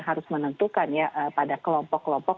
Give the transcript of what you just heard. harus menentukan ya pada kelompok kelompok